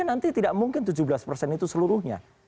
nanti tidak mungkin tujuh belas persen itu seluruhnya